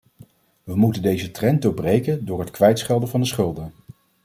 We moeten deze trend doorbreken door het kwijtschelden van de schulden.